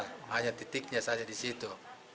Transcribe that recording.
hanya titiknya saja di situ